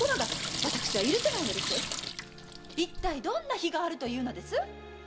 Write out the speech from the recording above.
いったいどんな非があるというのです⁉